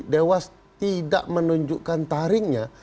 dewas tidak menunjukkan taringnya